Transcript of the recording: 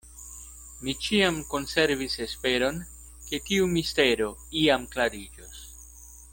Mi ĉiam konservis esperon, ke tiu mistero iam klariĝos.